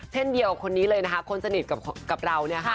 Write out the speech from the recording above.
เช่นเดียวคนนี้เลยนะคะคนสนิทกับเรา